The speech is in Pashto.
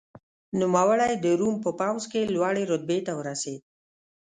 نوموړی د روم په پوځ کې لوړې رتبې ته ورسېد.